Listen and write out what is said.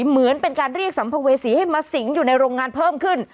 เหมือนเป็นการเรียกสัมภเวษีให้มาสิงอยู่ในโรงงานเพิ่มขึ้น